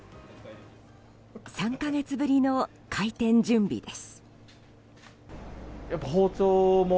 ３か月ぶりの開店準備です。